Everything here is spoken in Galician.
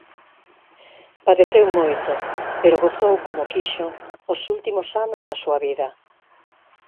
Padeceu moito pero gozou como quixo os últimos anos da súa vida.